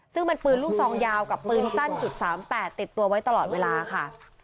ซึ่งเป็นปืนลูกซองยาวกับปืนสั้น๓๘ติดตัวไว้ตลอดเวลาค่ะ